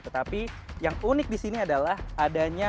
tetapi yang unik di sini adalah adanya